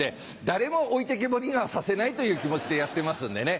誰も置いてきぼりにはさせないという気持ちでやってますんでね。